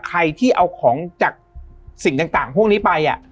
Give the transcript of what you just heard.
ใครที่เอาของจากสิ่งต่างพวกนี้ไป